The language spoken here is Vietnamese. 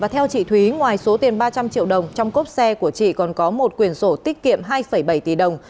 theo trị thúy ngoài số tiền ba trăm linh triệu đồng trong cốp xe của trị còn có một quyền sổ tích kiệm hai bảy tỷ đồng